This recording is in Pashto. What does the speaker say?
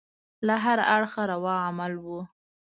له هره اړخه روا عمل وو.